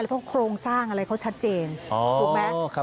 หรือพวกโครงสร้างอะไรเขาชัดเจนอ๋อถูกไหมครับ